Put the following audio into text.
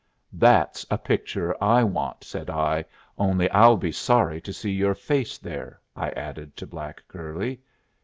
"That's a picture I want," said I. "Only I'll be sorry to see your face there," I added to black curly.